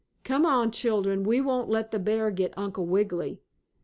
Come on, children, we won't let the bear get Uncle Wiggily."